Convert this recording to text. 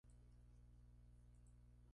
Cultivan el tambor Norte, suave en melodías.